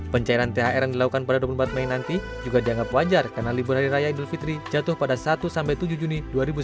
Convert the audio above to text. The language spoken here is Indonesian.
pencairan thr yang dilakukan pada dua puluh empat mei nanti juga dianggap wajar karena libur hari raya idul fitri jatuh pada satu tujuh juni dua ribu sembilan belas